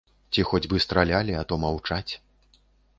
Ці хоць бы стралялі, а то маўчаць.